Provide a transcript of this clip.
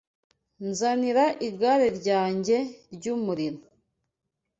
Nzanira igare ryanjye ry'umuriro